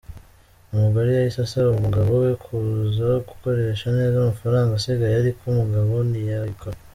Umugore yahise asaba umugabo we kuza gukoresha neza amafaranga asigaye ariko umugabo ntiyabikora.